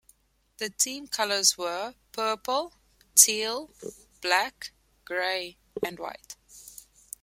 The team colors were: Purple, Teal, Black, Grey and White.